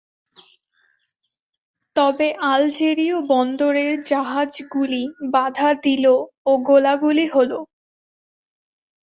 তবে আলজেরীয় বন্দরের জাহাজগুলি বাধা দিল ও গোলাগুলি হলো।